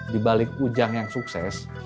di balik ujang yang sukses